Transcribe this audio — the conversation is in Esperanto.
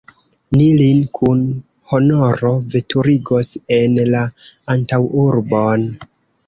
Ni lin kun honoro veturigos en la antaŭurbon.